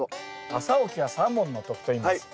朝起きは三文の徳といいます。